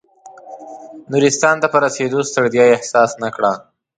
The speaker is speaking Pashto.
نورستان ته په رسېدو ستړیا احساس نه کړه.